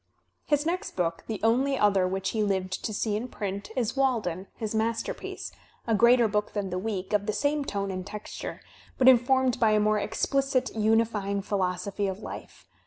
His next book, the only other which he Kved to see in print, is "Walden,*' his masterpiece, a greater book than the "Week," of the same tone and texture, but informed by a more expKcit unifying philosophy of life.